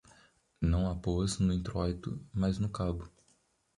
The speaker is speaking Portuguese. não a pôs no intróito, mas no cabo